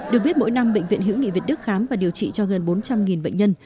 được biết mỗi năm bệnh viện hữu nghị việt đức khám và điều trị cho gần bốn trăm linh bệnh nhân